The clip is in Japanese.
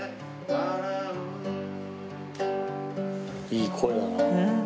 いい声だな。